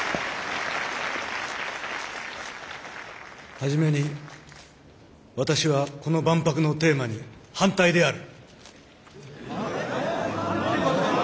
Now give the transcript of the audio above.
はじめに私はこの万博のテーマに反対である。